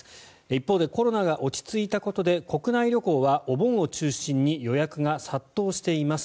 一方で、コロナが落ち着いたことで国内旅行はお盆を中心に予約が殺到しています。